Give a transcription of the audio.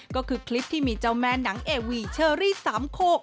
ก็คือคลิปที่มีเจ้าแม่หนังเอวีเชอรี่สามโค